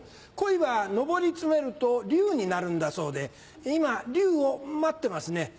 鯉は昇り詰めると竜になるんだそうで今竜を待ってますね。